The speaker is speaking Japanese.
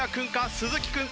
鈴木君か？